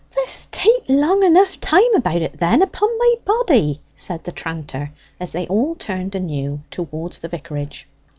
"Th'st take long enough time about it then, upon my body," said the tranter, as they all turned anew towards the vicarage.